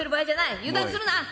油断するな。